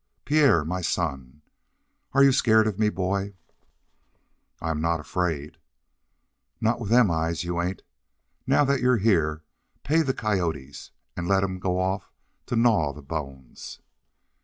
Pierre, my son! Are you scared of me, boy?" "I'm not afraid." "Not with them eyes you ain't. Now that you're here, pay the coyotes and let 'em go off to gnaw the bones."